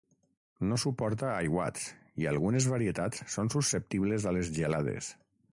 No suporta aiguats i algunes varietats són susceptibles a les gelades.